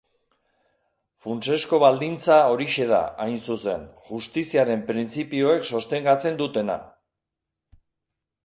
Funtsezko baldintza horixe da, hain zuzen, justiziaren printzipioek sostengatzen dutena.